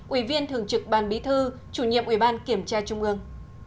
ủy viên thường trực ban bí thư chủ nhiệm ủy ban kiểm tra trung ương